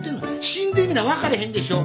死んでみな分かれへんでしょ！